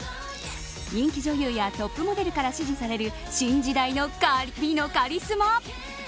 人気女優やトップモデルから支持される新時代の美のカリスマ。